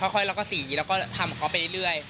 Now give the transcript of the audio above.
ค่อยแล้วก็สีแล้วก็ทำของเขาไปเรื่อย